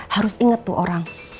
harus inget tuh orang